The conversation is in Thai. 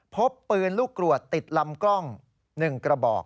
พบปืนลูกกรวดติดลำกล้อง๑กระบอก